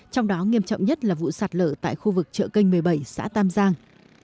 trong đó nghiêm trọng nhất là vụ sạt lở tại khu vực chợ kênh một mươi bảy xã tam giang